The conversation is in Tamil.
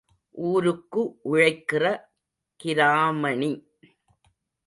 ஊருக்கு உழைக்கிற கிராமணி.